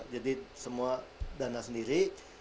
jadi semua dana sendiri